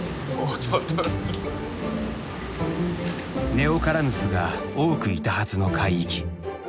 ネオカラヌスが多くいたはずの海域。